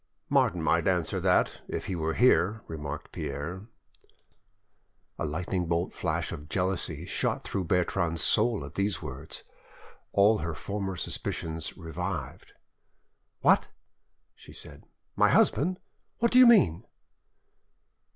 "Martin might answer that, if he were here," remarked Pierre. A lightning flash of jealousy shot through Bertrande's soul at these words, all her former suspicions revived. "What!" she said, "my husband! What do you mean?"